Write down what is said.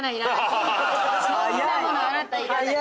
そんなものあなたいらない。